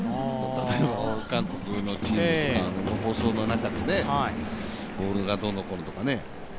例えば各国のチームとか放送の中でボールがどうのこうのとかね。